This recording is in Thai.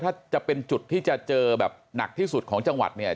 ถ้าจะเป็นจุดที่จะเจอแบบหนักที่สุดของจังหวัดเนี่ย